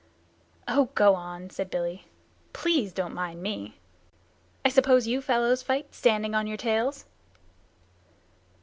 "Oh, go on," said Billy. "Please don't mind me. I suppose you fellows fight standing on your tails?"